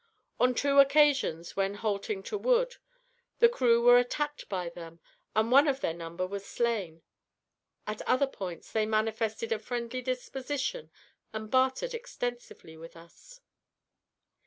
On two occasions, when halting to wood, the crew were attacked by them, and one of their number was slain. At other points they manifested a friendly disposition and bartered extensively with us.